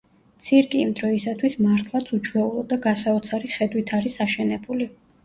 ცირკი იმ დროისათვის მართლაც უჩვეულო და გასაოცარი ხედვით არის აშენებული.